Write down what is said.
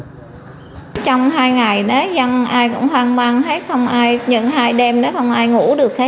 trong hai ngày đó dân ai cũng hoang mang hết nhưng hai đêm đó không ai ngủ được hết ai cũng lo hết